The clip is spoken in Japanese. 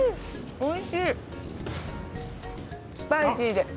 おいしい。